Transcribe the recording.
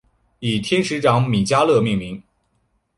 以天使长米迦勒命名。